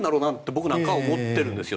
僕なんかは思っているんですよ。